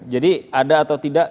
jadi ada atau tidak